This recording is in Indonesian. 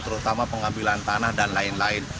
terutama pengambilan tanah dan lain lain